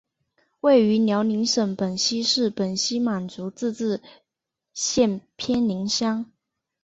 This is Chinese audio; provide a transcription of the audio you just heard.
位于辽宁省本溪市本溪满族自治县偏岭乡。